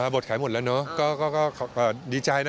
บทขายหมดแล้วเนอะก็ดีใจนะ